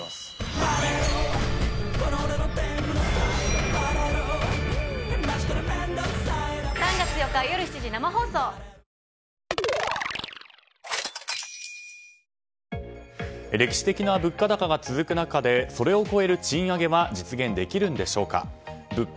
やさしい確定申告はｆｒｅｅｅ歴史的な物価高が続く中でそれを超える賃上げは実現できるんでしょうか。